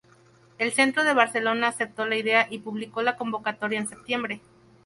El Centro de Barcelona aceptó la idea y publicó la convocatoria en septiembre.